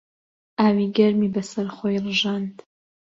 ئاوی گەرمی بەسەر خۆی ڕژاند.